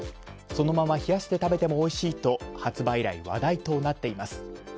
そのまま冷やして食べてもおいしいと発売以来、話題となっています。